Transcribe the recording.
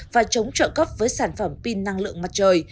và chống trợ cấp với sản phẩm pin năng lượng mặt trời